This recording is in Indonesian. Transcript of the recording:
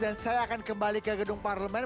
dan saya akan kembali ke gedung parlemen